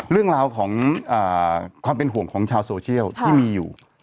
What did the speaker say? เรื่องราวของความเป็นห่วงของชาวโซเชียลที่มีอยู่